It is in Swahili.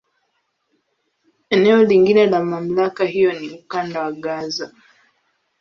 Eneo lingine la MamlakA hiyo ni Ukanda wa Gaza.